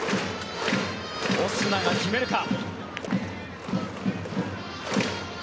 オスナが決めるか。